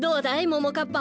ももかっぱ。